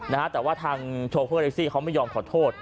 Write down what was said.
นะฮะแต่ว่าทางโชเฟอร์แท็กซี่เขาไม่ยอมขอโทษ